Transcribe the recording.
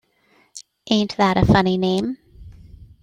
Ain't that a funny name?